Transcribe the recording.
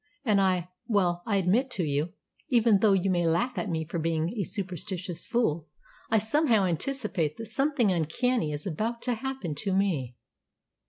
And I well, I admit to you, even though you may laugh at me for being a superstitious fool I somehow anticipate that something uncanny is about to happen to me."